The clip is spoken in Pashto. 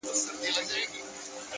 • میاشته کېږي بې هویته؛ بې فرهنګ یم؛